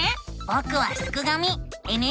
ぼくはすくがミ。